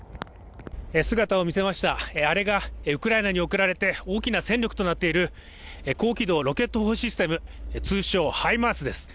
姿を見せました、あれがウクライナに送られた大きな戦力となっている高軌道ロケット砲システム、通称ハイマースです。